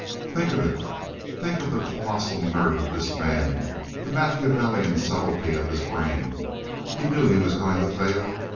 ] Think of it! Think of the colossal nerve of the man—the Machiavellian subtlety of his brain. He knew he was going to fail.